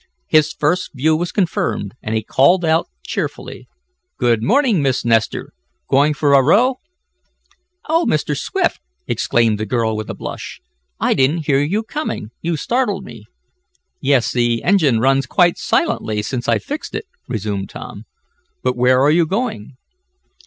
His first view was confirmed, and he called out cheerfully: "Good morning, Miss Nestor. Going for a row?" "Oh! Mr. Swift!" exclaimed the girl with a blush. "I didn't hear you coming. You startled me." "Yes, the engine runs quite silently since I fixed it," resumed Tom. "But where are you going?"